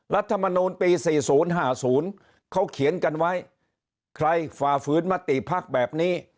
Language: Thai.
รัฐมนูลปี๔๐๕๐เขาเขียนกันไว้ใครฝ่าฝืนมติภักดิ์แบบนี้